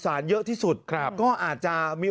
อ้าวดอม